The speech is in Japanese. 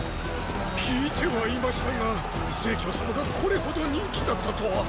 聞いてはいましたが成様がこれほど人気だったとは。